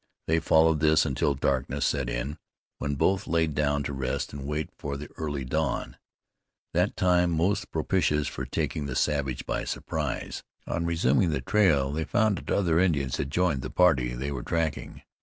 They followed this until darkness set in, when both laid down to rest and wait for the early dawn, that time most propitious for taking the savage by surprise. On resuming the trail they found that other Indians had joined the party they were tracking.